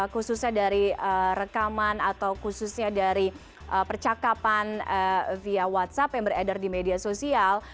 khususnya dari rekaman atau khususnya dari percakapan via whatsapp yang beredar di media sosial